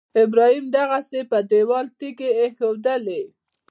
ابراهیم دغسې پر دېوال تیږې ایښودلې.